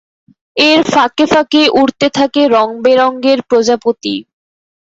এর ফাঁকে ফাঁকে উড়তে থাকে রং-বেরঙের প্রজাপতি।